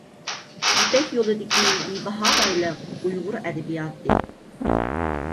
يىپەك يولىدىكى بىباھا بايلىق — ئۇيغۇر ئەدەبىياتى.